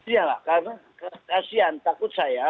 iya lah karena kasihan takut saya